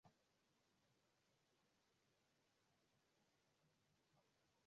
mwaka huu siku hii inaadhimishwa kupitia vyombo vya habari na mitandao bila sherehe